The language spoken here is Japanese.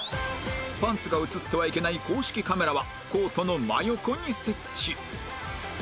パンツが映ってはいけない公式カメラはコートの真横に設置